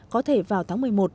có thể vào tháng một mươi một